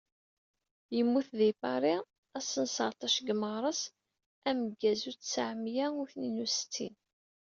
Yemmut di Paris, ass n seεṭac deg meɣres ameggaz u tesεemya u tnin u setin.